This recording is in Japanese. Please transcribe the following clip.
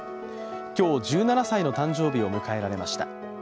今日１７歳の誕生日を迎えられました。